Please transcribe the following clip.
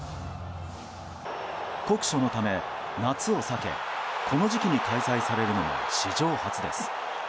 酷暑のため夏を避けこの時期に開催されるのも史上初です。